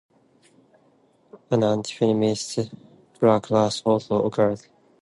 An antifeminist backlash also occurred.